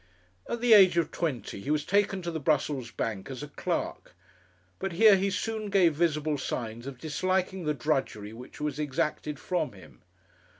At the age of twenty he was taken to the Brussels bank as a clerk; but here he soon gave visible signs of disliking the drudgery which was exacted from him.